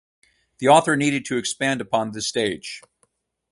The author needed to expand upon this stage.